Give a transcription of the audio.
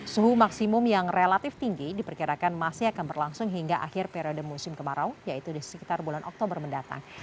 suhu maksimum yang relatif tinggi diperkirakan masih akan berlangsung hingga akhir periode musim kemarau yaitu di sekitar bulan oktober mendatang